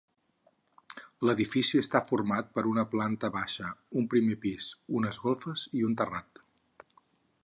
L'edifici està format per una planta baixa, un primer pis, unes golfes i un terrat.